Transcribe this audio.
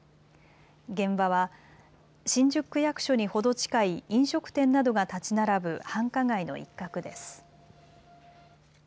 現場は新宿区役所に程近い飲食店などが建ち並ぶ繁華街の一角です。